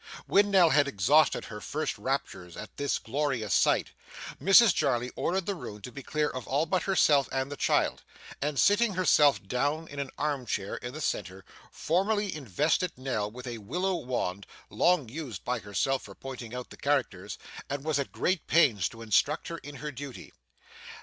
When Nell had exhausted her first raptures at this glorious sight, Mrs Jarley ordered the room to be cleared of all but herself and the child, and, sitting herself down in an arm chair in the centre, formally invested Nell with a willow wand, long used by herself for pointing out the characters, and was at great pains to instruct her in her duty.